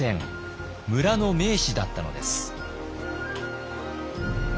村の名士だったのです。